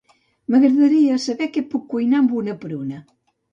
M'agradaria saber què puc cuinar amb una pruna.